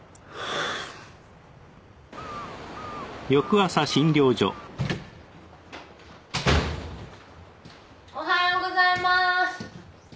ああおはようございます。